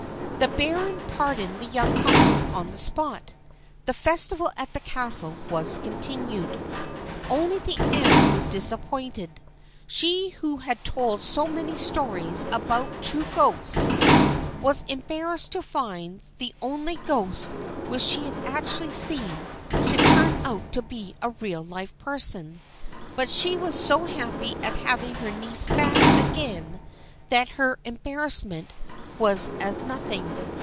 The baron pardoned the young couple on the spot. The festival at the castle was continued. Only the aunt was disappointed. She who had told so many stories about true ghosts, was embarrassed to find the only ghost which she had actually seen should turn out to be a real live person, but she was so happy at having her niece back again that her embarrassment was as nothing.